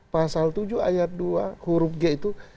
pasal tujuh ayat dua huruf g itu